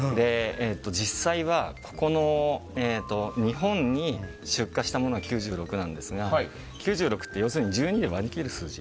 実際は、日本に出荷したものは９６なんですが９６って１２で割り切れる数字。